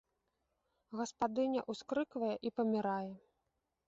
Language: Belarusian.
Гаспадыня ўскрыквае і памірае.